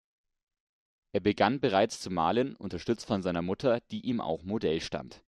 Er begann bereits zu malen, unterstützt von seiner Mutter, die ihm auch Modell stand.